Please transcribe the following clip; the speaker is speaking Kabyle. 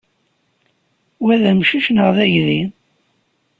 Wa d amcic neɣ d aydi?